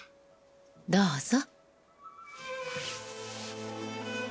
どうぞ。